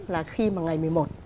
là khi mà ngày một mươi một